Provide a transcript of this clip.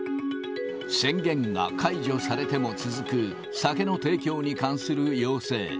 宣言が解除されても続く、酒の提供に関する要請。